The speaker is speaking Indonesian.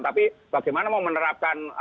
tapi bagaimana mau menerapkan